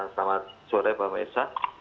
selamat sore mbak mesa